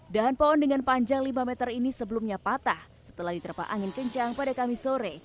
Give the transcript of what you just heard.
dahan pohon dengan panjang lima meter ini sebelumnya patah setelah diterpah angin kencang pada kamis sore